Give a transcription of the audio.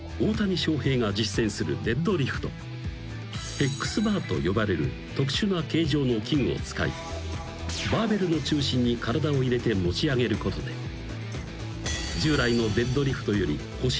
［ヘックスバーと呼ばれる特殊な形状の器具を使いバーベルの中心に体を入れて持ち上げることで従来のデッドリフトより腰への負担を軽減］